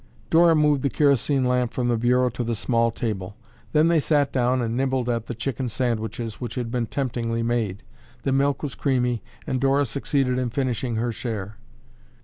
Dora moved the kerosene lamp from the bureau to the small table. Then they sat down and nibbled at the chicken sandwiches which had been temptingly made. The milk was creamy and Dora succeeded in finishing her share.